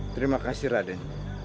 terima kasih raden